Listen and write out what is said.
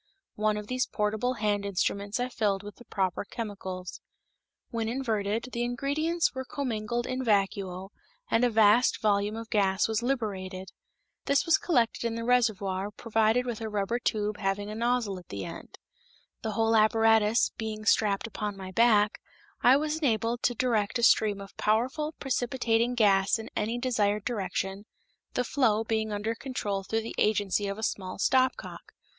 One of these portable hand instruments I filled with the proper chemicals. When inverted, the ingredients were commingled in vacuo and a vast volume of gas was liberated. This was collected in the reservoir provided with a rubber tube having a nozzle at the end. The whole apparatus being strapped upon my back, I was enabled to direct a stream of powerful precipitating gas in any desired direction, the flow being under control through the agency of a small stopcock.